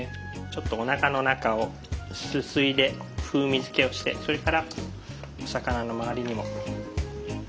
ちょっとおなかの中をすすいで風味づけをしてそれからお魚の周りにも。